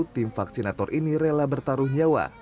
tim vaksinator ini rela bertaruh nyawa